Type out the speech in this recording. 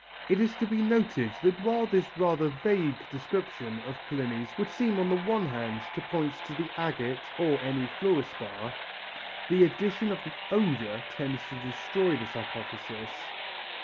It is to be noted that while this rather vague description of Pliny's would seem on the one hand to point to the agate or any fluor spar, the addition of the odour tends to destroy this hypothesis.